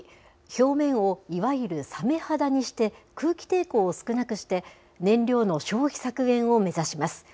表面をいわゆるサメ肌にして、空気抵抗を少なくして、燃料の消費削減を目指します。